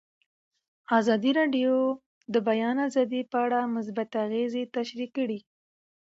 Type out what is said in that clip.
ازادي راډیو د د بیان آزادي په اړه مثبت اغېزې تشریح کړي.